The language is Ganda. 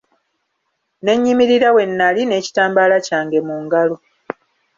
Ne nnyimirira we nnali n'ekitambaala kyange mu ngalo.